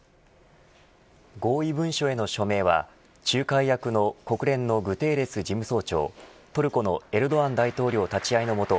合意文書への署名は仲介役の国連のグテーレス事務総長トルコのエルドアン大統領立ち会いのもと